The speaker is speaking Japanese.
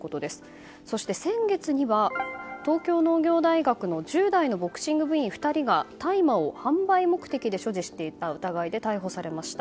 そして、先月には東京農業大学の１０代のボクシング部員２人が大麻を販売目的で所持していた疑いで逮捕されました。